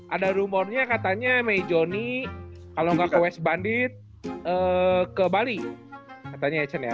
ada rumornya katanya mei johnny kalau nggak ke west bandit ke bali katanya hashon ya